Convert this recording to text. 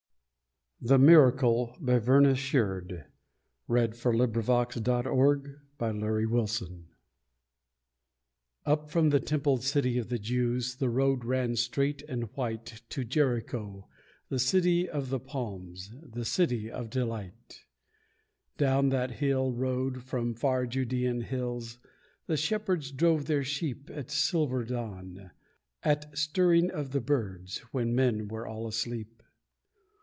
PIES A PAGAN PRAYER A LOVE SONG THE MIRACLE AND OTHER POEMS THE MIRACLE Up from the templed city of the Jews, The road ran straight and white To Jericho, the City of the Palms, The City of Delight. Down that still road from far Judean hills The shepherds drove their sheep At silver dawn at stirring of the birds When men were all asleep.